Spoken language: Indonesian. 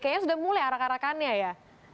kayaknya sudah mulai arak arakannya ya